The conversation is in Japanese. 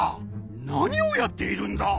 何をやっているんだ！